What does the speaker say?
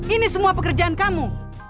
ini semua pekerjaan kamu